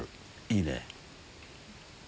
いいね！